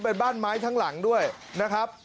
เป็นบ้านไม้ทั้งหลังด้วยนะครับ